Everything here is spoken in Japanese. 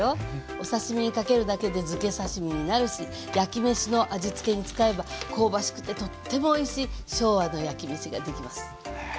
お刺身にかけるだけでづけ刺身になるし焼きめしの味つけに使えば香ばしくてとってもおいしい昭和の焼きめしができます。